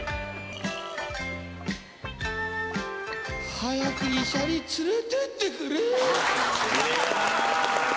［早く医者に連れてってくれ！］